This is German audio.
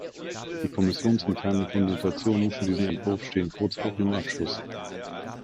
Die kommissionsinternen Konsultationen für diesen Entwurf stehen kurz vor ihrem Abschluss.